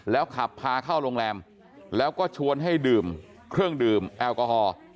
แล้วขับพาเข้าโรงแรมแล้วก็ชวนให้ดื่มเครื่องดื่มแอลกอฮอล์